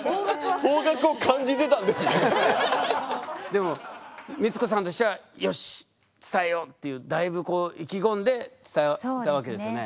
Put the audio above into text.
でも光子さんとしてはよし伝えようっていうだいぶ意気込んで伝えたわけですよね。